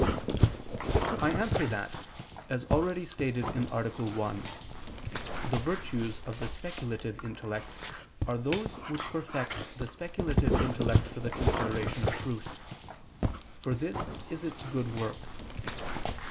I answer that, As already stated (A. 1), the virtues of the speculative intellect are those which perfect the speculative intellect for the consideration of truth: for this is its good work.